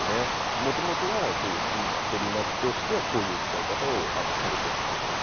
元々はそういうシントリ菜としてはこういう使い方をされてたそうです。